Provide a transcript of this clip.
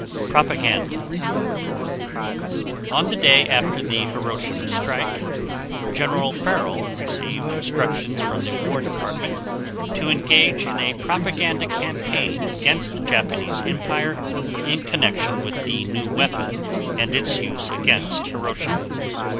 PROPAGANDA On the day after the Hiroshima strike, General Farrell received instructions from the War Department to engage in a propaganda campaign against the Japanese Empire in connection with the new weapon and its use against Hiroshima.